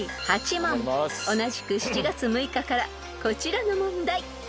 ［同じく７月６日からこちらの問題］